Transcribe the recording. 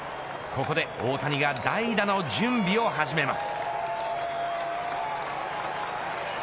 ここで大谷が代打の準備を始めます。